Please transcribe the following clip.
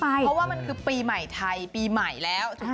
เพราะว่ามันคือปีใหม่ไทยปีใหม่แล้ว